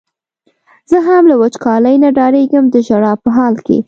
زه هم له وچکالۍ نه ډارېږم د ژړا په حال کې.